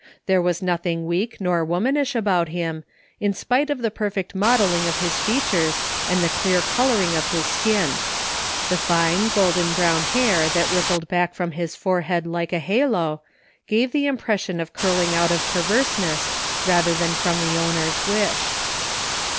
There was nothing weak nor womanish about him, in spite of the perfect modelling of his features and the clear coloring of his skin. The fine golden brown hair that rippled bade from his forehead like a halo gave the impression of curling out of per verseness rather than from the owner's wish.